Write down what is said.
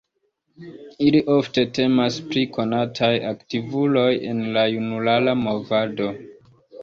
Ili ofte temas pri konataj aktivuloj en la junulara movado.